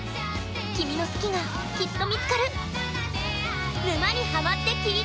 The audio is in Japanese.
君の好きがきっと見つかる！